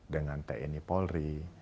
dengan tni polri